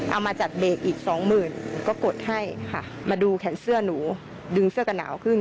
เอามาจัดเบรกอีกสองหมื่นก็กดให้ค่ะมาดูแขนเสื้อหนูดึงเสื้อกันหนาวขึ้น